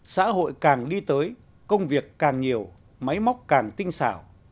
xã hội càng đi tới công việc càng nhiều máy móc càng tinh xảo